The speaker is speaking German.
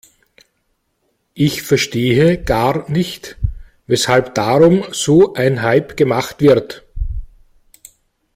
Ich verstehe gar nicht, weshalb darum so ein Hype gemacht wird.